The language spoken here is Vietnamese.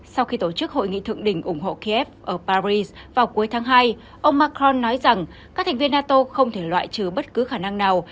sau khi tổ chức hội nghị thượng đỉnh ủng hộ kiev ở paris vào cuối tháng hai ông macron nói rằng các thành viên nato không thể loại trừ bất cứ khả năng nào